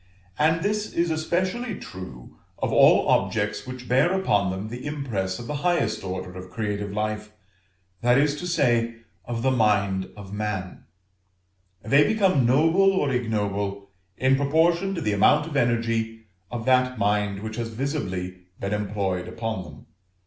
And this is especially true of all objects which bear upon them the impress of the highest order of creative life, that is to say, of the mind of man: they become noble or ignoble in proportion to the amount of the energy of that mind which has visibly been employed upon them.